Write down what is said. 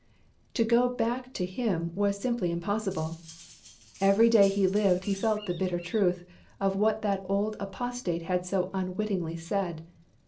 To go back to him was simply impossible. Every day he lived he felt the bitter truth of what that old apostate had so unwittingly said.